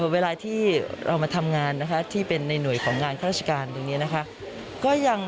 เวลาที่เรามาทำงานนะคะที่เป็นในหน่วยของงานข้าราชการตรงนี้นะคะ